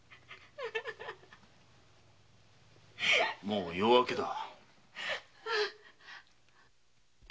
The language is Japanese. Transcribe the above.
もう夜明けだ。